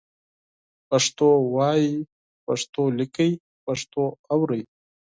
پښتو وایئ، پښتو لیکئ، پښتو اورئ